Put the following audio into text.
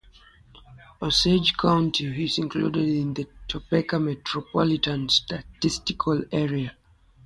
Osage County is included in the Topeka Metropolitan Statistical Area.